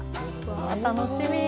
わ楽しみ。